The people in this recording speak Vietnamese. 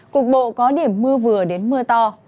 cục bộ có điểm mưa vừa đến mưa to